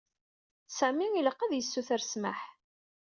Sami ilaq ad yessuter ssmaḥ.